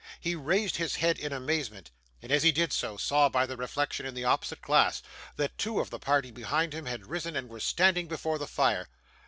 He raised his head in amazement, and as he did so, saw by the reflection in the opposite glass, that two of the party behind him had risen and were standing before the fire.